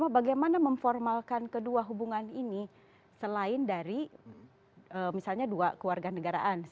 bagaimana memformalkan kedua hubungan ini selain dari misalnya dua keluarga negaraan